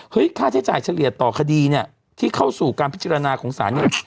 ค่าใช้จ่ายเฉลี่ยต่อคดีเนี่ยที่เข้าสู่การพิจารณาของศาลเนี่ย